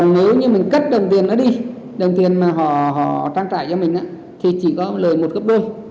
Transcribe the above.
nếu như mình cất đồng tiền đó đi đồng tiền mà họ trang trải cho mình thì chỉ có lời một gấp hai